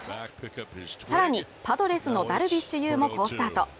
更に、パドレスのダルビッシュ有も好スタート。